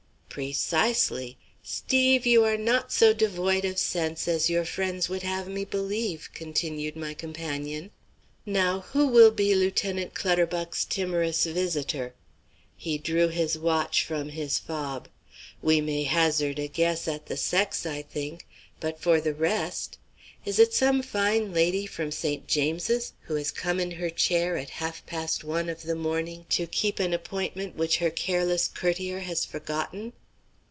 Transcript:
"Precisely. Steve, you are not so devoid of sense as your friends would have me believe," continued my companion. "Now, who will be Lieutenant Clutterbuck's timorous visitor?" He drew his watch from his fob: "We may hazard a guess at the sex, I think, but for the rest Is it some fine lady from St. James's who has come in her chair at half past one of the morning to keep an appointment which her careless courtier has forgotten?"